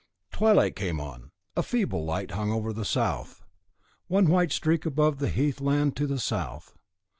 Twilight came on: a feeble light hung over the south, one white streak above the heath land to the south.